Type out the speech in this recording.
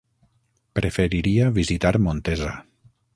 Preferiria visitar Montesa.